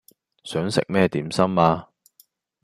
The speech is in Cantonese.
想食咩點心呀